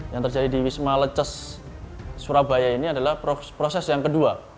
yang terjadi di wisma leces surabaya ini adalah proses yang kedua